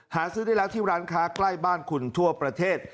หาซื้อได้แล้วที่ร้านค้าใกล้บ้านคุณทั่วประเทศ